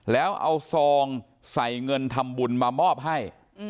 แล้วเอาซองใส่เงินทำบุญมามอบให้